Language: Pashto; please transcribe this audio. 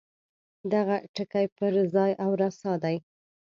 دغه ټکی پر ځای او رسا دی.